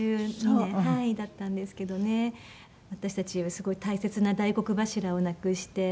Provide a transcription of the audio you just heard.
私たちはすごい大切な大黒柱をなくして。